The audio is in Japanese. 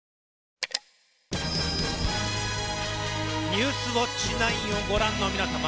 「ニュースウオッチ９」をご覧の皆様